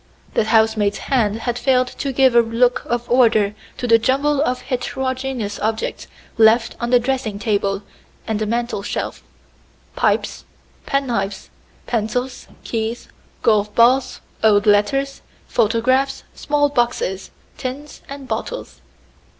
The housemaid's hand had failed to give a look of order to the jumble of heterogeneous objects left on the dressing table and the mantel shelf pipes, pen knives, pencils, keys, golf balls, old letters, photographs, small boxes, tins and bottles.